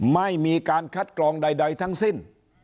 ไม่มีการคัดกรองใดทั้งสิ้น